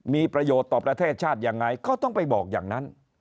มีประโยชน์ต่อประเทศชาติยังไงก็ต้องไปบอกอย่างนั้น